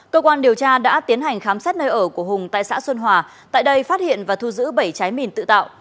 cơ quan điều tra đã tiến hành khám xét nơi ở của hùng tại xã xuân hòa tại đây phát hiện và thu giữ bảy trái mìn tự tạo